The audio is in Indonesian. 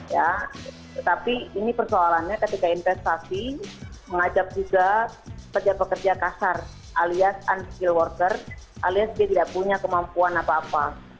ya tetapi ini persoalannya ketika investasi mengajak juga pekerja pekerja kasar alias unskill worker alias dia tidak punya kemampuan apa apa